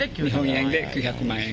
日本円で９００万円？